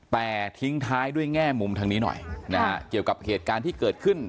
แต่ทิ้งท้ายด้วยแง่มุมทางนี้หน่อยนะฮะเกี่ยวกับเหตุการณ์ที่เกิดขึ้น